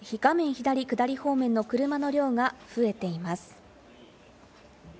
左下り方面の車の量が増えています。